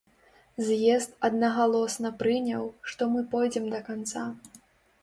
З'езд аднагалосна прыняў, што мы пойдзем да канца.